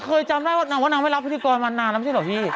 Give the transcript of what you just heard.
แต่เคยจำได้ว่าน้องว่าน้องไม่รับพฤกษ์กรมานานแล้วไม่ใช่เหรอพี่